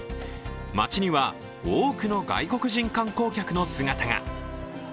街には多くの外国人観光客の姿が。